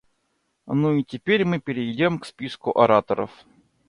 Ну и теперь мы перейдем к списку ораторов.